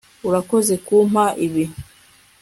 Urakoze kumpa ibi